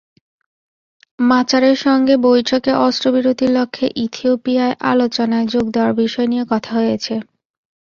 মাচারের সঙ্গে বৈঠকে অস্ত্রবিরতির লক্ষ্যে ইথিওপিয়ায় আলোচনায় যোগ দেওয়ার বিষয় নিয়ে কথা হয়েছে।